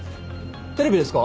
テレビですか？